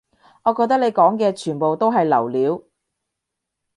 我覺得你講嘅全部都係流料